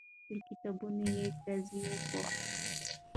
له کتابونو یې. قاضي وپوښت،